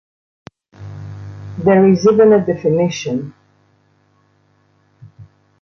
There is even a definition.